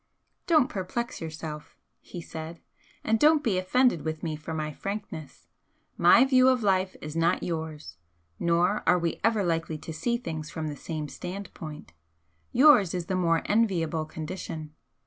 "Don't perplex yourself," he said, "and don't be offended with me for my frankness. My view of life is not yours, nor are we ever likely to see things from the same standpoint. Yours is the more enviable condition.